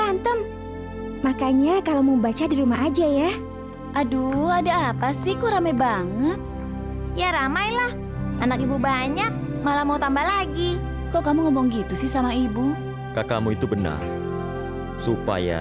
anak kamu ini lho gak becus jagain kusuma